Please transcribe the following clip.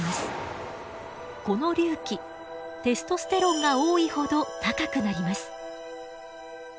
この隆起テストステロンが多いほど高くなります。